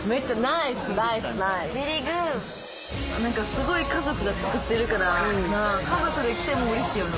すごい家族が作ってるから家族で来てもうれしいよな。